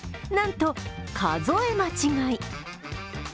なんと数え間違い。